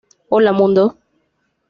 Hola Mundo.